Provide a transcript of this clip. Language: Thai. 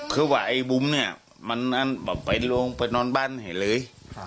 เพราะว่าไอ้บุ้มนี่มันไปโรงไปนอนบ้านเห็นเลย